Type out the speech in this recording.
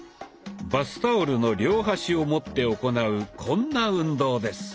バスタオルの両端を持って行うこんな運動です。